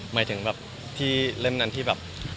หมายถึงแบบที่เล่มนั้นที่แบบ